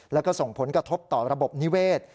แล้วก็ส่งผลกระทบต่อระบบนิเวศ